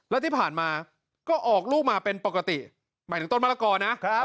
แล้วที่ผ่านมาก็ออกลูกมาเป็นปกติหมายถึงต้นมะละกอนะ